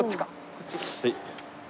こっち？